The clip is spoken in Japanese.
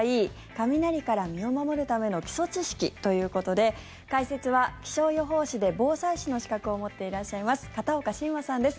雷から身を守るための基礎知識ということで解説は、気象予報士で防災士の資格を持っていらっしゃいます片岡信和さんです。